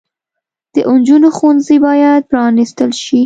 د انجونو ښوونځي بايد پرانستل شي